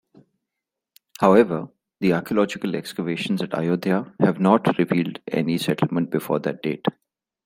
However, the archaeological excavations at Ayodhya have not revealed any settlement before that date.